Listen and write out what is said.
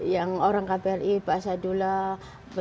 yang orang kbri pak sadullah